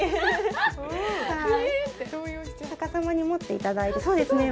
逆さまに持っていただいてそうですね